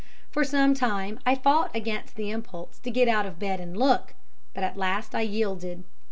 For some time I fought against the impulse to get out of bed and look, but at last I yielded.